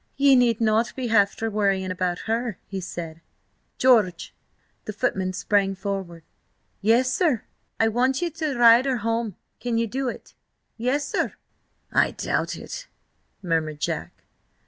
"Ye need not be after worrying about her," he said. "George!" The footman sprang forward. "Yessir?" "Ye see that mare? I want ye to ride her home. Can ye do it?" "Yessir!" "I doubt it," murmured Jack.